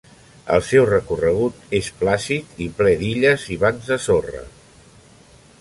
El seu recorregut és plàcid i ple d'illes i bancs de sorra.